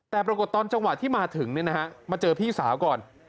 แต่ปรากฏตอนจังหวัดที่มาถึงเนี่ยนะฮะมาเจอพี่สาวก่อน